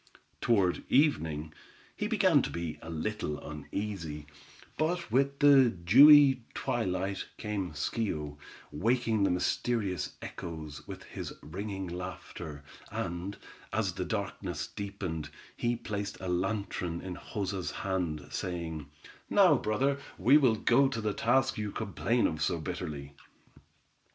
Toward evening he began to be a little uneasy, but with the dewy twilight, came Schio, waking the mysterious echoes, with his ringing laughter, and, as the darkness deepened, he placed a lantern in Joza's hand, saying: "Now, brother, we will go to the task you complain of so bitterly."